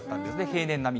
平年並み。